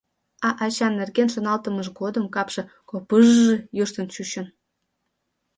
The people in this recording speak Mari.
А ача нерген шоналтымыж годым капше «копыж-ж» йӱштын чучын.